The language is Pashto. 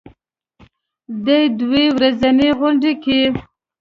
دې دوه ورځنۍ غونډه کې